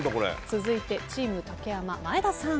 続いてチーム竹山前田さん。